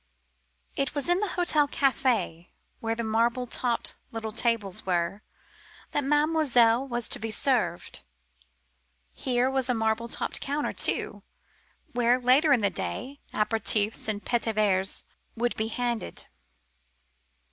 It was in the hotel café, where the marble topped little tables were, that Mademoiselle would be served. Here was a marble topped counter, too, where later in the day apéritifs and petits verres would be handed.